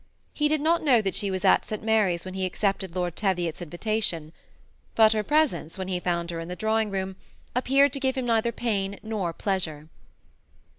He did not know that she was at St Mary's when he accepted Lord Teviot's invitation ; but her presence, when he found her in the drawing room, appeared to give him neither pain nor pleasure.